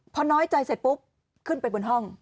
พอน้อยใจเสร็จปุ๊บขึ้นไปบนห้อง